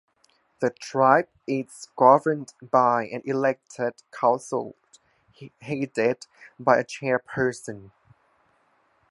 The tribe is governed by an elected council, headed by a chairperson.